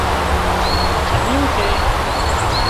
ڇٻيُون سي